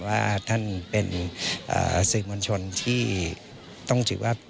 ว่าท่านเป็นสื่อมวลชนที่ต้องถือว่า